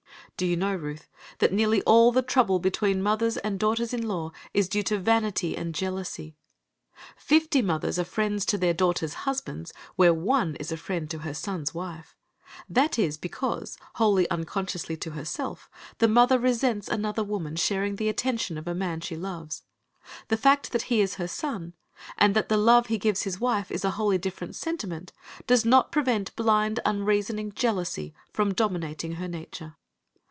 Do you know, Ruth, that nearly all the trouble between mothers and daughters in law is due to vanity and jealousy. Fifty mothers are friends to their daughters' husbands where one is a friend to her son's wife. That is because, wholly unconsciously to herself, the mother resents another woman sharing the attention of a man she loves. The fact that he is her son, and that the love he gives his wife is a wholly different sentiment, does not prevent blind, unreasoning jealousy from dominating her nature.